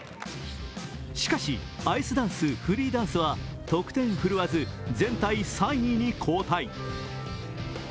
しかし、アイスダンス・フリーダンスは得点振るわず全体３位に後退。